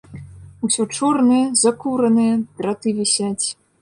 Усё чорнае, закуранае, драты вісяць.